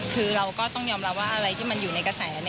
คือเราก็ต้องยอมรับว่าอะไรที่มันอยู่ในกระแส